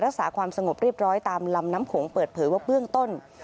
รักษาความสงบเรียบร้อยตามลำน้ำโขงเปิดเผยว่าเบื้องต้น